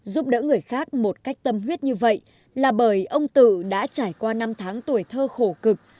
giúp đỡ người khác một cách tâm huyết như vậy là bởi ông tự đã trải qua năm tháng tuổi thơ khổ cực